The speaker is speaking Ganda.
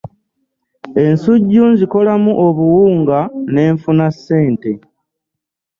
Ensujju nzikolamu obuwungana nfuna ssente.